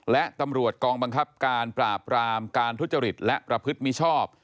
และตำรวจกองบังคับการปราบรามการทุจริตและประพฤติมิชอบ